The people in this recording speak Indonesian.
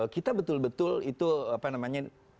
kita betul betul itu apa namanya